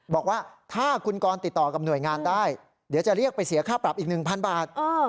บอกว่าถ้าคุณกรติดต่อกับหน่วยงานได้เดี๋ยวจะเรียกไปเสียค่าปรับอีก๑๐๐บาท